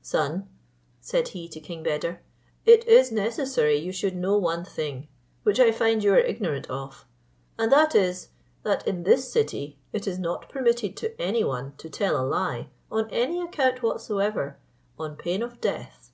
"Son," said he to King Beder, "it is necessary you should know one thing, which I find you are ignorant of; and that is, that in this city it is not permitted to any one to tell a lie, on any account whatsoever, on pain of death.